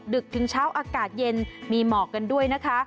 ึกถึงเช้าอากาศเย็นมีหมอกกันด้วยนะคะ